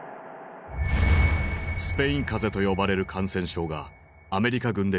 「スペイン風邪」と呼ばれる感染症がアメリカ軍で流行。